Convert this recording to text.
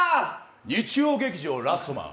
日曜劇場「ラストマン」